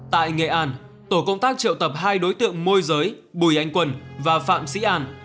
tại nghệ an tổ công tác triệu tập hai đối tượng môi giới bùi anh quân và phạm sĩ an